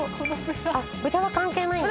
豚は関係ないんだ。